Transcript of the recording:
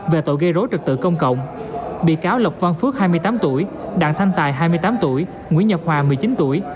về tội gây rối trật tự công cộng bị cáo lộc văn phước hai mươi tám tuổi đảng thanh tài hai mươi tám tuổi nguyễn nhật hòa một mươi chín tuổi